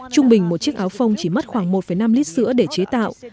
trung bình một chiếc áo phông chỉ mất khoảng một năm lít sữa để chế tạo